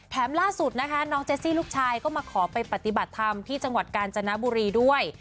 ล่าสุดนะคะน้องเจสซี่ลูกชายก็มาขอไปปฏิบัติธรรมที่จังหวัดกาญจนบุรีด้วย